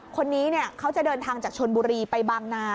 คนนี้เขาจะเดินทางจากชนบุรีไปบางนา